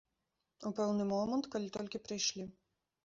У пэўны момант, калі толькі прыйшлі.